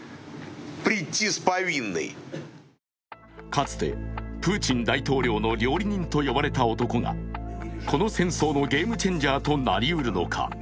かつてプーチン大統領の料理人と呼ばれた男がこの戦争のゲームチェンジャーとなりうるのか。